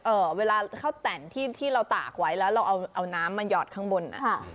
เวลาข้าวแต่นที่ที่เราตากไว้แล้วเราเอาเอาน้ำมาหยอดข้างบนอ่ะค่ะ